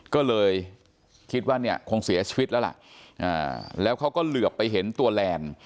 ก็เลยคิดว่าเนี่ยคงเสียชีวิตแล้วล่ะแล้วเขาก็เหลือไปเห็นตัวแลนด์